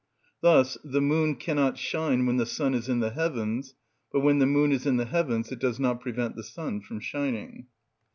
Thus the moon cannot shine when the sun is in the heavens, but when the moon is in the heavens it does not prevent the sun from shining.